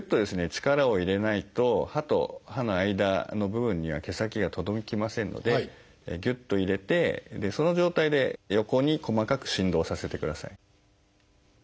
力を入れないと歯と歯の間の部分には毛先が届きませんのでぎゅっと入れてその状態で横に細かく振動させてください。